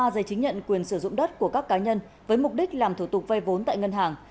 ba dây chứng nhận quyền sử dụng đất của các cá nhân với mục đích làm thủ tục vay vốn tại ngân hàng